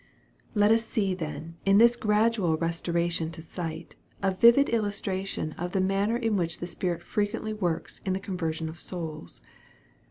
Let us see then in this gradual restoration to sight, a vivid illustration of the manner in which the Spirit fre quently luorTcs in the conversion of souls.